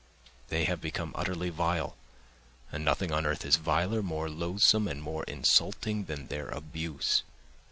They have become utterly vile, and nothing on earth is viler, more loathsome, and more insulting than their abuse.